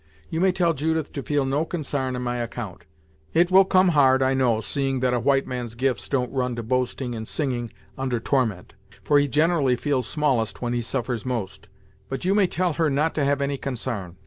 You may tell Judith to feel no consarn on my account it will come hard I know, seeing that a white man's gifts don't run to boasting and singing under torment, for he generally feels smallest when he suffers most but you may tell her not to have any consarn.